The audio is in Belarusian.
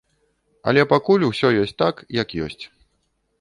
Але пакуль усё ёсць так, як ёсць.